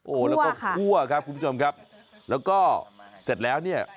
โอ้โหแล้วก็คั่วครับคุณผู้ชมครับแล้วก็เสร็จแล้วเนี่ย